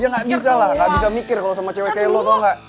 ya gak bisa lah gak bisa mikir sama cewek kayak lo tau gak